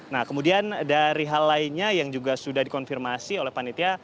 nah kemudian dari hal lainnya yang juga sudah dikonfirmasi oleh panitia